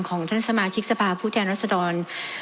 ของท่านสมาชิกสภาพผู้แทนรัศดร